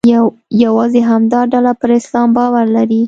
یوازې همدا ډله پر اسلام باور لري.